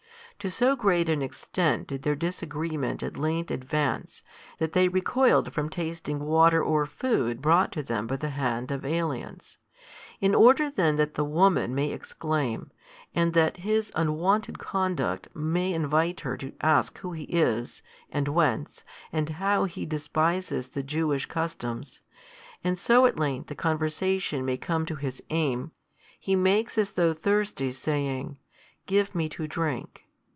To so great an extent did their disagreement at length advance, that they recoiled from tasting water or food brought to them by the hand of aliens. In order then that the woman may exclaim, and that His unwonted conduct may invite her to ask Who He is, and whence, and how He despises the Jewish customs; and so at length the conversation may come to His aim, He makes as though thirsty, saying, Give Me to drink.